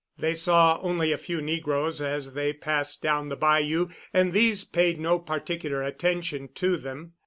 They saw only a few negroes as they passed down the bayou, and these paid no particular attention to them.